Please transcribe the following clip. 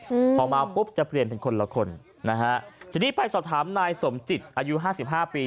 อืมพอมาปุ๊บจะเปลี่ยนเป็นคนละคนนะฮะทีนี้ไปสอบถามนายสมจิตอายุห้าสิบห้าปี